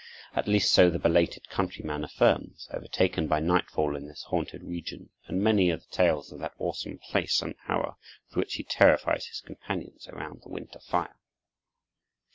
At least so the belated countryman affirms, overtaken by nightfall in this haunted region; and many are the tales of that awesome place and hour with which he terrifies his companions around the winter fire.